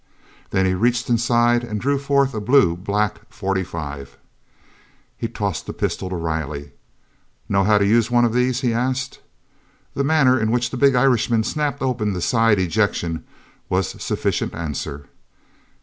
Then he reached inside and drew forth a blue black .45. He tossed the pistol to Riley. "Know how to use one of these?" he asked. The manner in which the big Irishman snapped open the side ejection was sufficient answer.